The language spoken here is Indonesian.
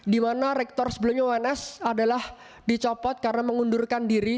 dimana rektor sebelumnya ons adalah dicopot karena mengundurkan diri